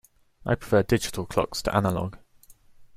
I prefer digital clocks to analog.